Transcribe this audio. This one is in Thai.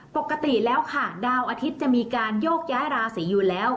ปกติแล้วค่ะดาวอาทิตย์จะมีการโยกย้ายราศีอยู่แล้ว